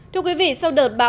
thưa quý vị sau đợt bão